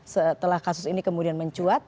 setelah kasus ini kemudian mencuat